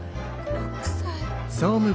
６歳？